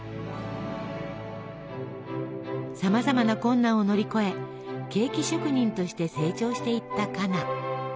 さまざまな困難を乗り越えケーキ職人として成長していったカナ。